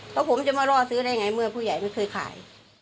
แล้วผมจะมาล่อซื้อได้ไงเมื่อผู้ใหญ่ไม่เคยขาย